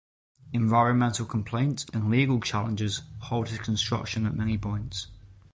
Environmental complaints and legal challenges halted construction at many points.